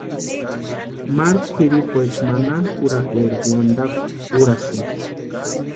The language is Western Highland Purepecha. Maru kwʼiripuecha manakʼurhakwaeri wantakwa úrasïnti.